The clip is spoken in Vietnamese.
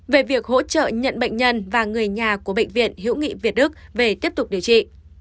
về việc hỗ trợ nhận bệnh nhân và người nhà của bệnh viện hữu nghị việt đức về tiếp tục điều trị